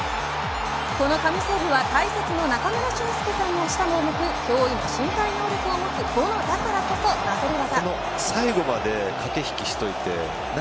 この神セーブは解説の中村俊輔さんも舌を巻く驚異の身体能力を持つボノだからこそなせる業。